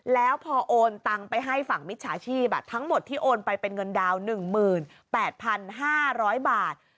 แล้วพอโอนตังไปให้ฝั่งมิจฉาชีพทั้งหมดที่โอนไปเป็นเงินดาวน๑๘๕๐๐บาท